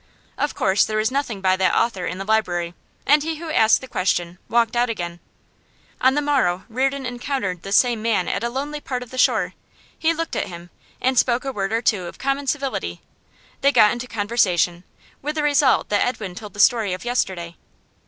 Of course there was nothing by that author in the library, and he who had asked the question walked out again. On the morrow Reardon encountered this same man at a lonely part of the shore; he looked at him, and spoke a word or two of common civility; they got into conversation, with the result that Edwin told the story of yesterday.